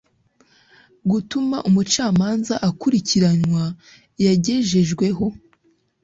gutuma umucamanza akurikiranwa yagejejweho